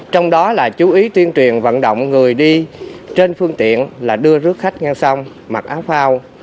trong đó là chú ý tuyên truyền vận động người đi trên phương tiện là đưa rước khách ngang sông mặc áo phao